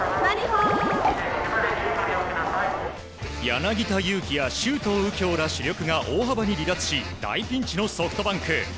柳田悠岐や周東佑京ら主力が大幅に離脱し大ピンチのソフトバンク。